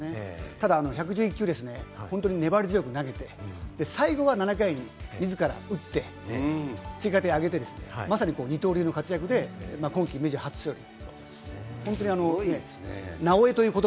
ただ１１１球、粘り強く投げて、最後は７回にみずから打って、追加点を挙げて、まさに二刀流の活躍で今季メジャー初勝利。